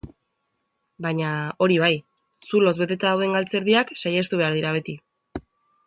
Baina, hori bai, zuloz beteta dauden galtzerdiak saihestu behar dira beti.